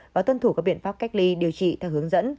và tuân thủ các biện pháp cách ly điều trị theo hướng dẫn